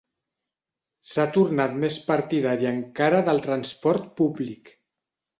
S'ha tornat més partidari encara del transport públic.